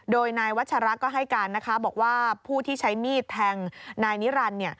โดยนายวัชระก็ให้การนะคะบอกว่าผู้ที่ใช้มีดแทงนายนิรันดิ์